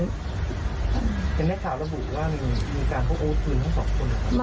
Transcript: เจ็บแม่ข่าวแล้วบุตรว่ามีการโฟกปืนทั้งสองคนหรือเปล่า